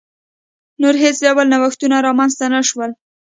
نور هېڅ ډول نوښتونه رامنځته نه شول.